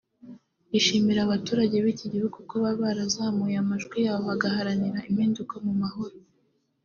rishimira abaturage b’iki gihugu kuba barazamuye amajwi yabo bagaharanira impinduka mu mahoro